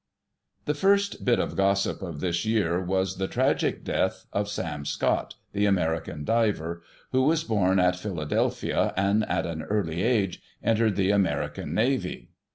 The first bit of gossip of this year was the tragic death of Sam Scott, "the American diver,'* who was born at Phila delphia, and, at an early age, entered the American navy.